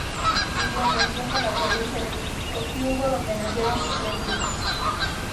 Vivió buen tiempo en la provincia de Coquimbo, donde nacieron sus tres hijos.